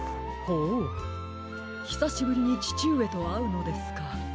ほうひさしぶりにちちうえとあうのですか。